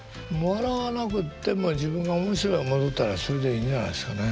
笑わなくっても自分が面白い思とったらそれでいいんじゃないですかね。